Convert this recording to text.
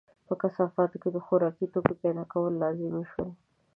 په کثافاتو کې د خوراکي توکو پیدا کول لازمي شول.